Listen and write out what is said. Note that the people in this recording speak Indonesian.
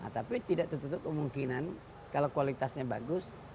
tapi tidak tertutup kemungkinan kalau kualitasnya bagus